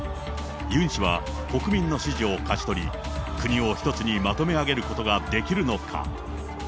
ユン氏は、国民の支持を勝ち取り、国を一つにまとめ上げることができるのか。